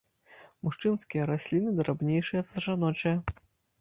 Мужчынскія расліны драбнейшыя за жаночыя.